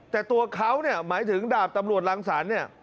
แต่ตัวเขาเนี่ยหมายถึงดาบตำรวจรังสรรค์เนี่ย